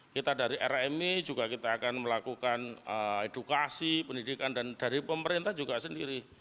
kita dari rmi juga kita akan melakukan edukasi pendidikan dan dari pemerintah juga sendiri